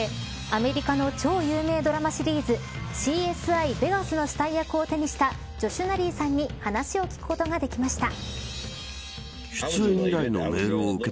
アメリカの超有名ドラマシリーズＣＳＩ：ベガスの死体役を手にしたジョシュ・ナリーさんに話を聞くことができました。